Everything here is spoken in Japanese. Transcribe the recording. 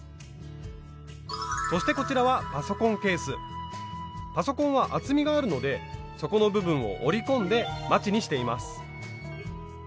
そしてこちらはパソコンは厚みがあるので底の部分を折り込んでまちにしています。